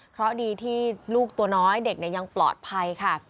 เพราะดีที่ลูกตัวน้อยเด็กยังปลอดภัยค่ะ